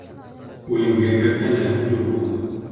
Үлемгә кәртәләр юҡ.